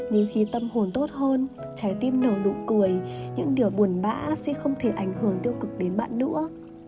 nhưng khi tâm hồn tốt hơn trái tim nở nụ cười những điều buồn bã sẽ không thể ảnh hưởng tiêu cực đến bạn nữa